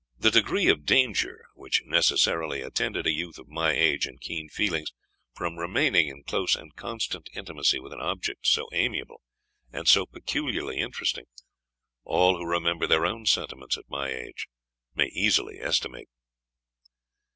The degree of danger which necessarily attended a youth of my age and keen feelings from remaining in close and constant intimacy with an object so amiable, and so peculiarly interesting, all who remember their own sentiments at my age may easily estimate.